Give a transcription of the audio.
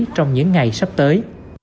trong những ngày sắp tới